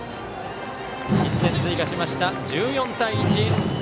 １点追加しました、１４対１。